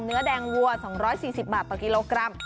เนื้อแดงวัว๒๔๐บาทต่อกิโลกรัม